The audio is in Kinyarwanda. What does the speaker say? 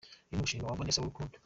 Uyu ni umushinga wa Vanessa Rukundo.